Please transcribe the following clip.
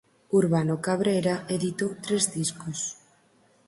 Urbano Cabrera editou tres discos.